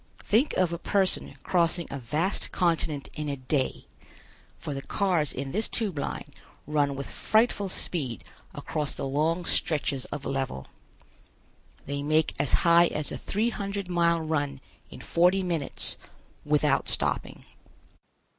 Think of a person crossing a vast continent in a day, for the cars in this Tube Line run with frightful speed across the long stretches of level. They make as high as a three hundred mile run in forty minutes, without stopping.